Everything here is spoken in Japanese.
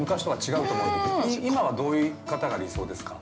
今はどういう方が理想ですか。